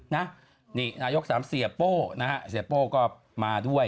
นี่นายกสามเสียโป้นะฮะเสียโป้ก็มาด้วย